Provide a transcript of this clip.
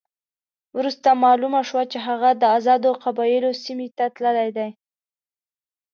وروسته معلومه شوه چې هغه د آزادو قبایلو سیمې ته تللی دی.